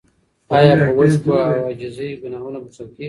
ایا په اوښکو او عاجزۍ ګناهونه بخښل کیږي؟